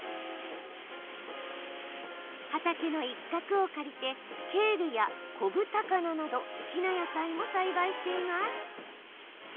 畑の一画を借りてケールやこぶ高菜など好きな野菜も栽培しています。